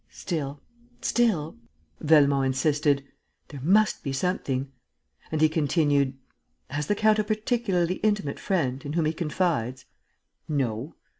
"Still ... still," Velmont insisted, "there must be something." And he continued, "Has the count a particularly intimate friend ... in whom he confides?" "No."